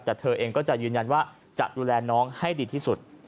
แต่เธอเองก็จะยืนยันว่าจะดูแลน้องให้ดีที่สุด